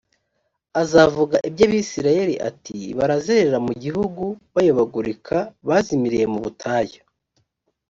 azavuga iby abisirayeli ati barazerera mu gihugu bayobagurika bazimiriye mu butayu